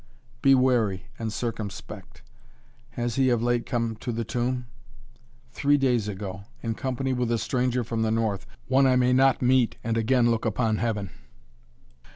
"Be wary and circumspect. Has he of late come to the Tomb?" "Three days ago in company with a stranger from the North one I may not meet and again look upon heaven."